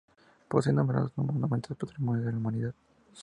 Posee numerosos monumentos patrimonio de la Humanidad.